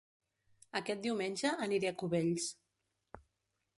Aquest diumenge aniré a Cubells